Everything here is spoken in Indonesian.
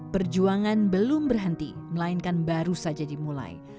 perjuangan belum berhenti melainkan baru saja dimulai